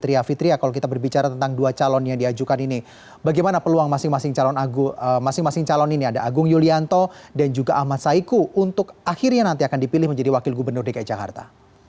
kalau kita berbicara tentang dua calon yang diajukan ini bagaimana peluang masing masing calon ini ada agung yulianto dan juga ahmad saiku untuk akhirnya nanti akan dipilih menjadi wakil gubernur dki jakarta